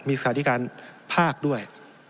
มีศึกษาธิการภาคด้วย